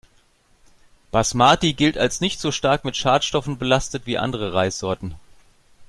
Basmati gilt als nicht so stark mit Schadstoffen belastet wie andere Reissorten.